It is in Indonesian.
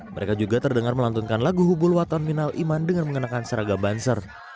mereka juga terdengar melantunkan lagu hubul waton minal iman dengan mengenakan seragam banser